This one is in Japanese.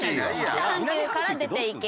北半球から出て行け。